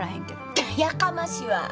やかましわ！